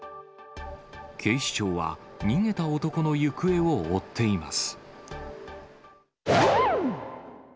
警視庁は逃げた男の行方を追っています。